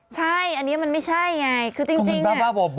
ใช่อันนี้มันไม่ใช่ไงคือจริงน่ะ